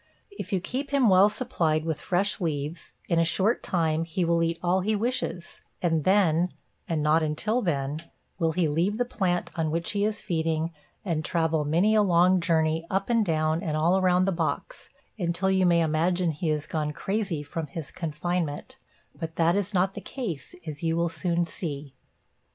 If you keep him well supplied with fresh leaves, in a short time he will eat all he wishes and then, and not until then, will he leave the plant on which he is feeding and travel many a long journey up and down and all around the box, until you may imagine he has gone crazy from his confinement; but that is not the case, as you will soon see.